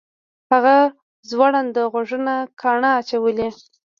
هغه ځوړند غوږونه کاڼه اچولي